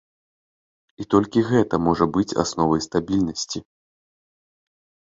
І толькі гэта можа быць асновай стабільнасці.